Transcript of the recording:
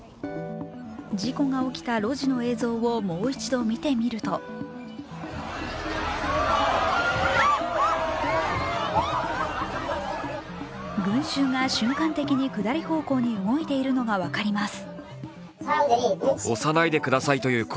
事故が起きた路地の映像をもう一度見てみると群集が瞬間的に下り方向に動いているのが分かります。